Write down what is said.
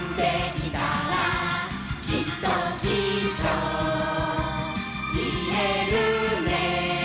「きっときっと言えるね」